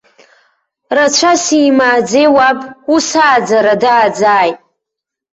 Рацәа симааӡеи уаб, ус ааӡара дааӡааит!